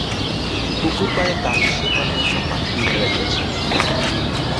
পুকুরপাড়ে কাল সে কানের একটা মাকড়ি হারাইয়াছে।